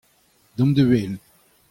Deomp da welet !